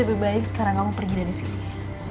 lebih baik sekarang kamu pergi dari sini